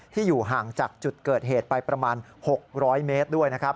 อยู่ห่างจากจุดเกิดเหตุไปประมาณ๖๐๐เมตรด้วยนะครับ